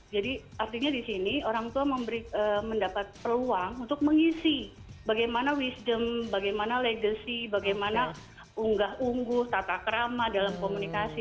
jadi artinya di sini orang tua mendapat peluang untuk mengisi bagaimana wisdom bagaimana legacy bagaimana unggah ungguh tata kerama dalam komunikasi